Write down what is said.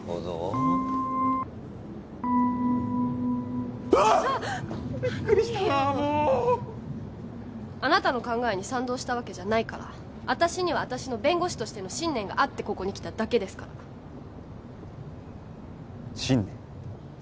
もうッ何よあなたの考えに賛同したわけじゃないから私には私の弁護士としての信念があってここに来ただけですから信念？